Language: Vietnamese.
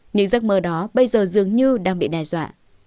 những giấc mơ đó bây giờ dường như đang bị đe dọa